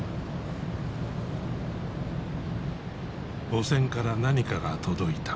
母船から何かが届いた。